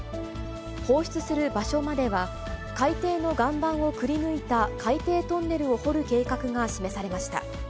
放出する場所までは、海底の岩盤をくりぬいた海底トンネルを掘る計画が示されました。